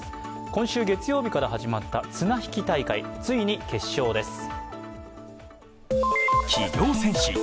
今週月曜日から始まった綱引き大会、ついに決勝です。